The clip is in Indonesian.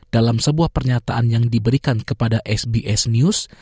dalam sebuah pernyataan yang diberikan kepada sbs news